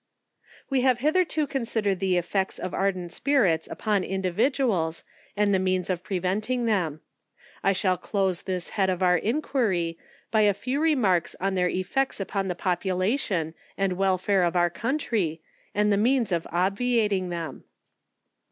We have hitherto considered the effects of ardent spirits upon individuals, and the means of preventing them. I shall close this head of our enquiry, by a few remarks on their effects upon the population and welfare of our coun try, and the means of obviating them.